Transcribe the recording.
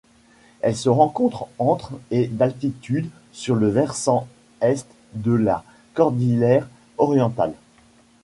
Elle se rencontre entre et d'altitude sur le versant est de la cordillère Orientale.